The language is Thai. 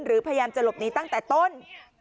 พยายามจะหลบหนีตั้งแต่ต้น